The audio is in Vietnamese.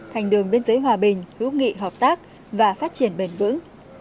thành đường biên giới hòa bình hữu nghị hợp tác và phát triển bền vững